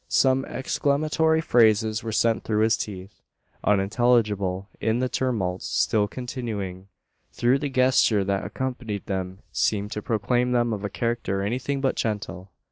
Some exclamatory phrases were sent through his teeth, unintelligible in the tumult still continuing, though the gesture that accompanied them seemed to proclaim them of a character anything but gentle.